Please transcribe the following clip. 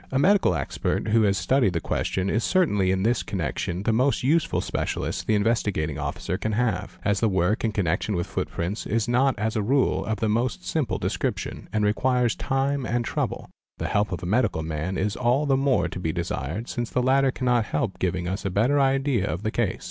A medical expert who has studied the question is certainly in this connection the most — useful specialist the Investigating Officer can have. As the work in con — nection with footprints is not as a rule of the most simple description — and requires time and trouble, the help of a medical man is all the more to be desired since the latter cannot help giving us a better idea of the case.